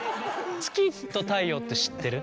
月と太陽って知ってる？